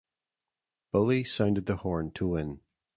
Bully sounded the horn to win.